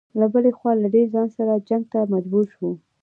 له بلې خوا له دیر خان سره جنګ ته مجبور و.